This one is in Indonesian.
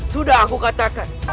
sudah aku katakan